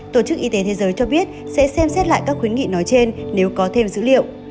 tổ chức y tế thế giới cho biết sẽ xem xét lại các khuyến nghị nói trên nếu có thêm dữ liệu